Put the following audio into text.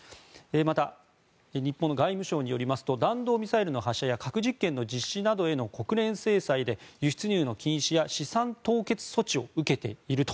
また、日本の外務省によりますと弾道ミサイルの発射や核実験の実施などへの国連制裁で輸出入の禁止や資産凍結措置を受けていると。